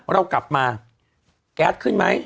เรากลับมาแก๊สขึ้นไหม